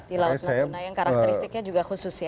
di laut natuna yang karakteristiknya juga khusus ya